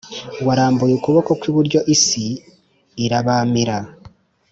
warambuye ukuboko kw’iburyo isi irabamira.